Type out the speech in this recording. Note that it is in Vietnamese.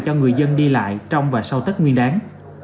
cho người dân đi lại trong và sau tết nguyên đáng